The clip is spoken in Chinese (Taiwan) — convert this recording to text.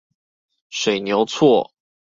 水牛厝